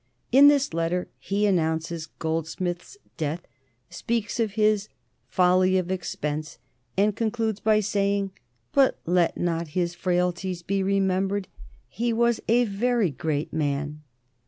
In this letter he announces Goldsmith's death, speaks of his "folly of expense," and concludes by saying, "But let not his frailties be remembered; he was a very great man."